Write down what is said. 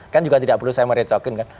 kan juga tidak perlu saya merecokin kan